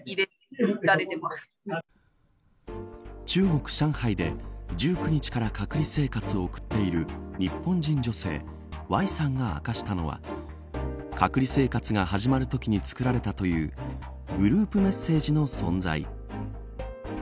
中国、上海で１９日から隔離生活を送っている日本人女性Ｙさんが明かしたのは隔離生活が始まるときに作られたというグループメッセージの存在。